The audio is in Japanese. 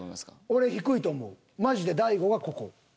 俺低いと思うマジで大悟がここ。